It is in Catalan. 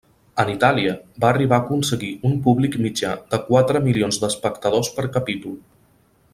En Itàlia, va arribar a aconseguir un públic mitjà de quatre milions d'espectadors per capítol.